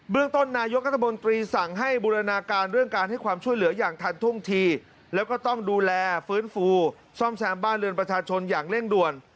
ต้นนายกรัฐมนตรีสั่งให้บูรณาการเรื่องการให้ความช่วยเหลืออย่างทันท่วงทีแล้วก็ต้องดูแลฟื้นฟูซ่อมแซมบ้านเรือนประชาชนอย่างเร่งด่วน